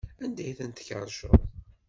Anda ay ten-tkerrceḍ?